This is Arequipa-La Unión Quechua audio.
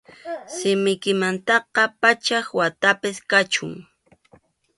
Simiykimantaqa pachak watapas kachun.